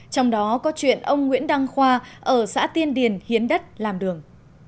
trong đó có chuyện ông nguyễn đăng khoa ở xã tiên điền hiến đất làm đường